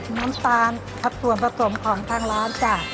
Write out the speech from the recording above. ด้านน้ำตาลส่วนผสมของทางร้านจ้ะ